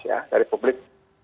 ya dari publik